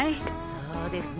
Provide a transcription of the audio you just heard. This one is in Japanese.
そうですね。